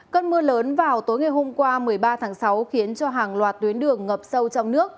cơn mưa lớn vào tối ngày hôm qua một mươi ba tháng sáu khiến cho hàng loạt tuyến đường ngập sâu trong nước